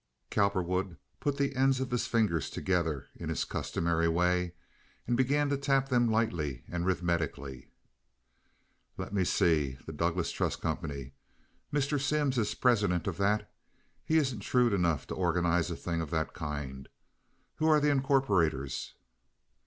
Cowperwood put the ends of his fingers together in his customary way and began to tap them lightly and rhythmically. "Let me see—the Douglas Trust Company. Mr. Simms is president of that. He isn't shrewd enough to organize a thing of that kind. Who are the incorporators?"